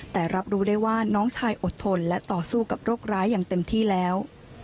แต่รับรู้ได้ว่าน้องชายอดทนและต่อสู้กับโรคร้ายอย่างเต็มที่แล้ว